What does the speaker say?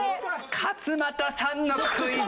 勝俣さんのクイズ。